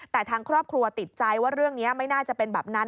แต่ทางครอบครัวติดใจว่าเรื่องนี้ไม่น่าจะเป็นแบบนั้น